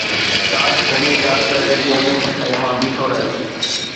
ڪاش گھڙيءَ جا هٿ رهجي وڃن ۽ مان بيٺو رهيس